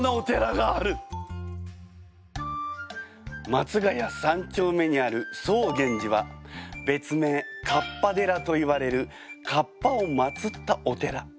松が谷３丁目にある曹源寺は別名かっぱ寺といわれるかっぱを祭ったお寺。